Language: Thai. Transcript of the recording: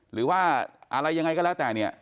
หรือว่าอะไรยังไงก็แล้วแต่เนี่ย